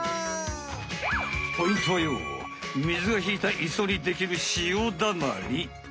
ポイントはよみずがひいた磯にできる潮だまり。